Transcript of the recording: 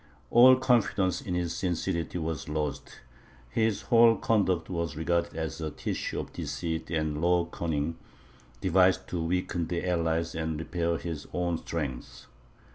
All confidence in his sincerity was lost; his whole conduct was regarded as a tissue of deceit and low cunning, devised to weaken the allies and repair his own strength.